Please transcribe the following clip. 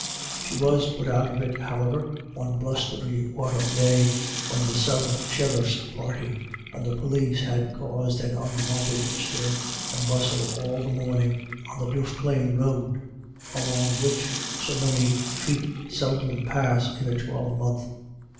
She was put out of it, however, one blustery autumn day, when the sub sheriff's party and the police had caused an unwonted stir and bustle all the morning on the Duffclane road, along which so many feet seldom pass in a twelvemonth.